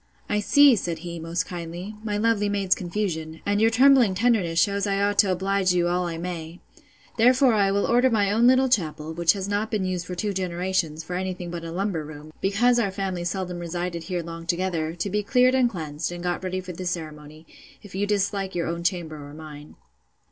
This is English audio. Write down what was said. I see (said he, most kindly) my lovely maid's confusion; and your trembling tenderness shews I ought to oblige you all I may. Therefore I will order my own little chapel, which has not been used for two generations, for any thing but a lumber room, because our family seldom resided here long together, to be cleared and cleaned, and got ready for the ceremony, if you dislike your own chamber or mine.